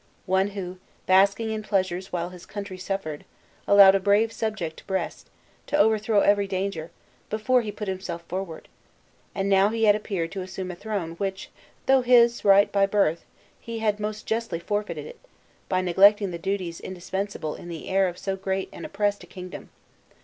One who, basking in pleasures while his country suffered, allowed a brave subject to breast, to overthrow every danger, before he put himself forward? and now he appeared to assume a throne, which, though his right by birth, he had most justly forfeited, by neglecting the duties indispensable in the heir of so great and oppressed a kingdom!